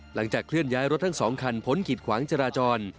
หลังจากเคลื่อนย้ายรถทั้งสองคันผลกิดขวางจราจร